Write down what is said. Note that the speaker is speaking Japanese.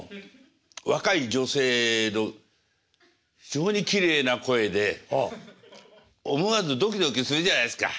若い女性の非常にきれいな声で思わずドキドキするじゃないですか。